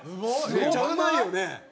めっちゃうまいよね？